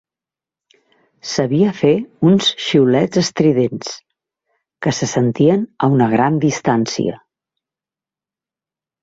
Sabia fer uns xiulets estridents, que se sentien a una gran distància.